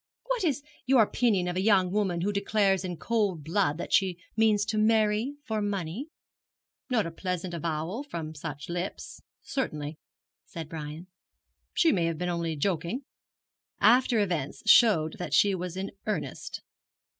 What is your opinion of a young woman who declares in cold blood that she means to marry for money?' 'Not a pleasant avowal from such lips, certainly,' said Brian. 'She may have been only joking.' 'After events showed that she was in earnest.'